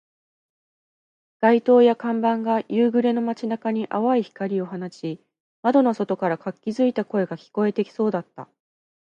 街灯や看板が夕暮れの街中に淡い光を放ち、窓の外から活気付いた声が聞こえてきそうだった